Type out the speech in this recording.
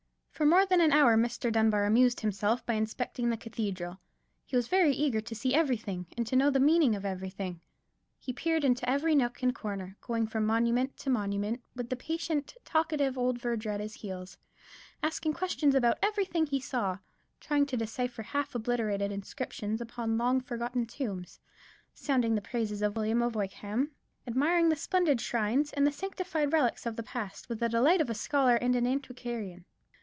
For more than an hour Mr. Dunbar amused himself by inspecting the cathedral. He was eager to see everything, and to know the meaning of everything. He peered into every nook and corner, going from monument to monument with the patient talkative old verger at his heels; asking questions about every thing he saw; trying to decipher half obliterated inscriptions upon long forgotten tombs; sounding the praises of William of Wykeham; admiring the splendid shrines, the sanctified relics of the past, with the delight of a scholar and an antiquarian.